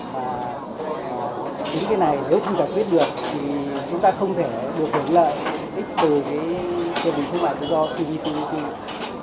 những cái này nếu không gặp biết được thì chúng ta không thể được hưởng lợi ít từ cái thiết bị thương mại do cptpp